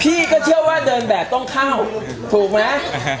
พี่ก็เชื่อว่าเดินแบบต้องเข้าถูกไหม